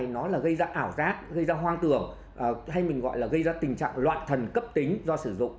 nó gây ra hoang tưởng hay mình gọi là gây ra tình trạng loạn thần cấp tính do sử dụng